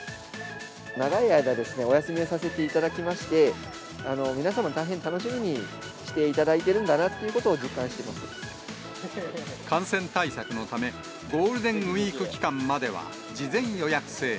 長い間お休みをさせていただきまして、皆様に大変楽しみにしていただいてるんだなということを実感して感染対策のため、ゴールデンウィーク期間までは事前予約制。